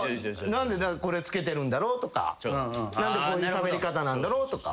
何でこれつけてるんだろう？とか何でこういうしゃべり方なんだろう？とか。